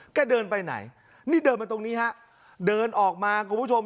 เดินไปไหนนี่เดินมาตรงนี้ฮะเดินออกมาคุณผู้ชม